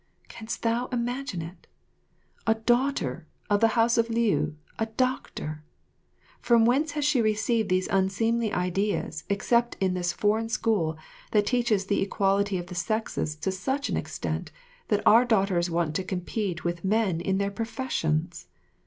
Canst thou imagine it? A daughter of the house of Liu a doctor! From whence has she received these unseemly ideas except in this foreign school that teaches the equality of the sexes to such an extent that our daughters want to compete with men in their professions!